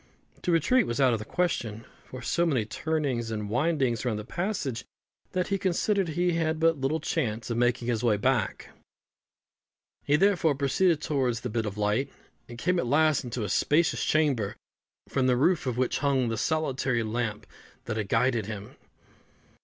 To retreat was out of the question; for so many turnings and windings were in the passage, that he considered he had but little chance of making his way back. He, therefore, proceeded towards the bit of light, and came at last into a spacious chamber, from the roof of which hung the solitary lamp that had guided him.